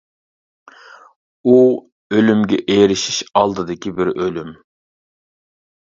ئۇ ئۆلۈمىگە ئېرىشىش ئالدىدىكى بىر ئۆلۈم.